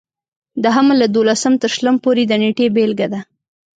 د حمل له دولسم تر شلم پورې د نېټې بېلګه ده.